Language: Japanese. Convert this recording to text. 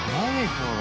これ。